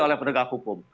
oleh penegak hukum